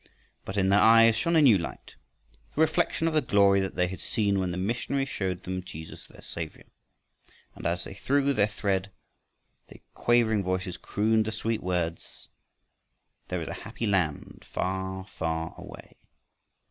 But in their eyes shone a new light, the reflection of the glory that they had seen when the missionary showed them Jesus their Savior. And as they threw their thread their quavering voices crooned the sweet words: There is a happy land Far, far away.